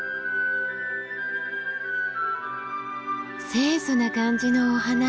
清楚な感じのお花。